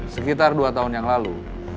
sekitar dua tahun yang lalu